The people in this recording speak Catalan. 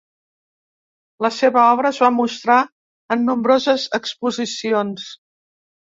La seva obra es va mostrar en nombroses exposicions.